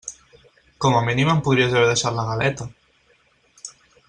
Com a mínim em podries haver deixat la galeta.